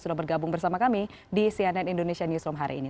sudah bergabung bersama kami di cnn indonesia newsroom hari ini